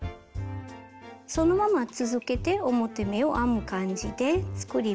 そのまま続けて表目を編む感じで作り目を編みます。